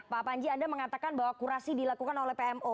pak panji anda mengatakan bahwa kurasi dilakukan oleh pmo